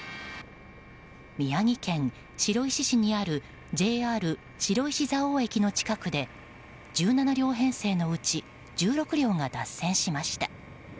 宮城県白石市にあるＪＲ白石蔵王駅の近くで１７両編成のうち１６両が脱線しました。